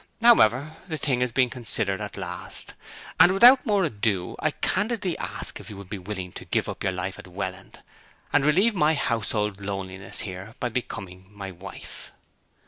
However, the thing has been considered at last, and without more ado I candidly ask if you would be willing to give up your life at Welland, and relieve my household loneliness here by becoming my wife.